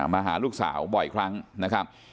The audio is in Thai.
มาหาลูกสาวบ่อยครั้งนะครับ